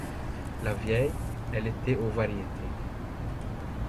La veille, il était aux Variétés.